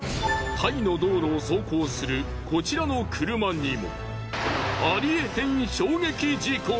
タイの道路を走行するこちらの車にも。